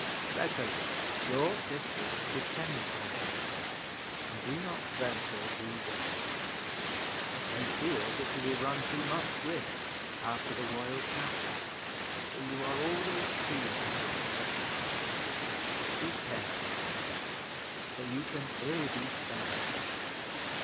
Recollect, your sisters depend upon you, and do not therefore be rash: I fear that you will run too much risk after the wild cattle, for you are always scheming after taking them. Be careful, Humphrey, for you can ill be spared.